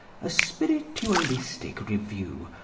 A Spiritualistic Review.